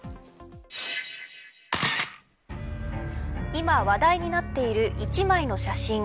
今、話題になっている１枚の写真。